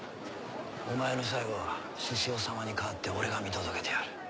お前の最期は志々雄様に代わって俺が見届けてやる。